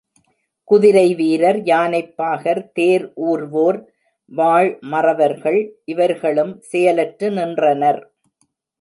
குதிரை வீரர், யானைப்பாகர், தேர் ஊர்வோர், வாள் மறவர்கள் இவர்களும் செயலற்று நின்றனர்.